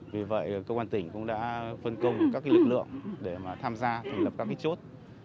vì vậy công an tỉnh cũng đã phân công các lực lượng để tham gia thành lập các chốt